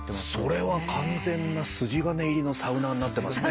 それは完全な筋金入りのサウナーになってますね。